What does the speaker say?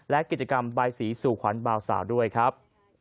และกิจกรรมใบสีสู่ขวัญเบาสาวด้วยครับ